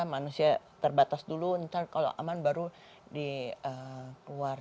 manusia terbatas dulu nanti kalau aman baru dikeluar